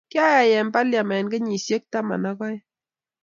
Kiyay eng paliament kenyisiek taman ak aeng